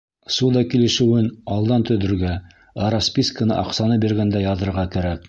Ссуда килешеүен — алдан төҙөргә, ә расписканы аҡсаны биргәндә яҙырға кәрәк.